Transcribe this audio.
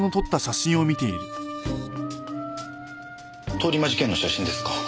通り魔事件の写真ですか。